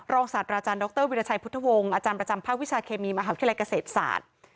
ศาสตราจารย์ดรวิราชัยพุทธวงศ์อาจารย์ประจำภาควิชาเคมีมหาวิทยาลัยเกษตรศาสตร์